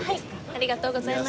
ありがとうございます。